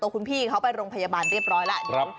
คุณพี่เขาไปโรงพยาบาลเรียบร้อยแล้ว